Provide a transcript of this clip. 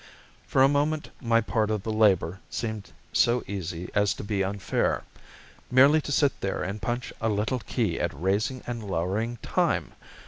For a moment my part of the labor seemed so easy as to be unfair. Merely to sit there and punch a little key at raising and lowering time!